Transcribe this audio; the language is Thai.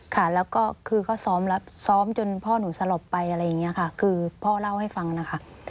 ค่ะแล้วก็คือก็ซ้อมจนพ่อหนูสลบไปอะไรอย่างนี้ค่ะคือพ่อเล่าให้ฟังนะคะ